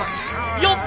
・よっ！